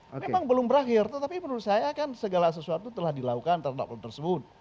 memang belum berakhir tetapi menurut saya kan segala sesuatu telah dilakukan terhadap orang tersebut